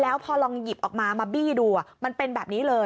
แล้วพอลองหยิบออกมามาบี้ดูมันเป็นแบบนี้เลย